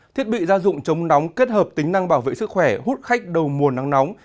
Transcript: thiết bị gia dụng chống nóng kết hợp tính năng bảo vệ sức khỏe hút khách đầu mùa nắng nóng